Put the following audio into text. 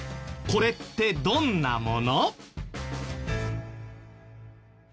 これってどんなもの？